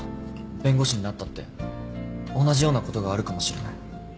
弁護士になったって同じようなことがあるかもしれない。